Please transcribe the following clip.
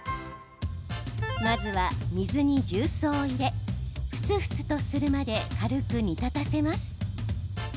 まずは、水に重曹を入れふつふつとするまで軽く煮立たせます。